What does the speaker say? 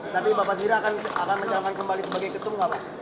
tapi bapak zira akan mencalonkan kembali sebagai ketum gak pak